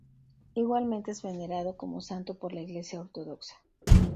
Igualmente es venerado como santo por la Iglesia ortodoxa.